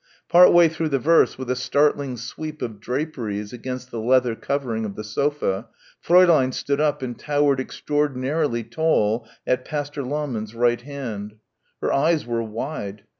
Part way through the verse with a startling sweep of draperies against the leather covering of the sofa, Fräulein stood up and towered extraordinarily tall at Pastor Lahmann's right hand. Her eyes were wide.